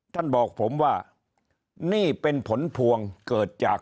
ท่านบอกผมว่านี่เป็นผลพวงเกิดจาก